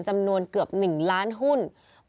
จำนวนเกือบ๑ล้านหุ้น